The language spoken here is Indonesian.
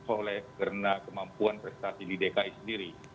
oleh karena kemampuan prestasi di dki sendiri